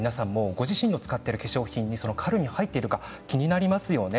ご自身の使っている化粧品にカルミンが入ってるかどうか気になりますよね。